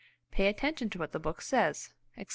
Pay attention to what the book says, etc."